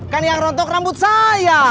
kan yang rontok rambut saya